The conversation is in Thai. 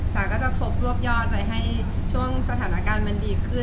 จ๋าก็จะทบรวบยอดไว้ให้ช่วงสถานการณ์มันดีขึ้น